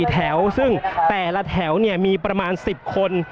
แถวซึ่งแต่ละแถวมีประมาณ๑๐คน